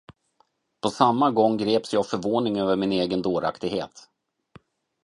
På samma gång greps jag av förvåning över min egen dåraktighet.